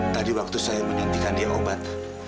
tadi waktu saya menyuntikan dia obat